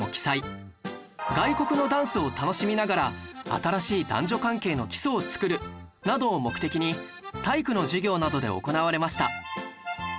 外国のダンスを楽しみながら新しい男女関係の基礎を作るなどを目的に体育の授業などで行われました